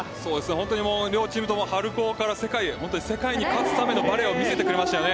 本当に両チームとも春高から世界へ世界に勝つためのバレーを見せてくれましたよね。